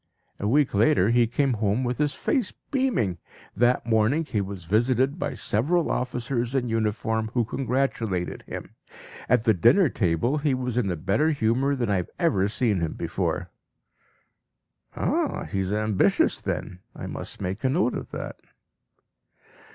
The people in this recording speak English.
A week later he came home with his face beaming. That morning he was visited by several officers in uniform who congratulated him. At the dinner table he was in a better humour than I have ever seen him before." (Ah! he is ambitious then! I must make a note of that.)